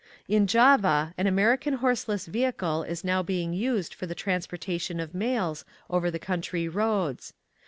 In Java an American horseless vehicle is now being used for the transportation of mails over the country roads.